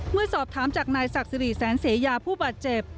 เมื่อสอบถามจากนายศักดิ์สิริแสนเสยาผู้บาดเจ็บ